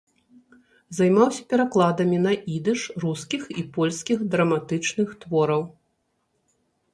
Займаўся перакладамі на ідыш рускіх і польскіх драматычных твораў.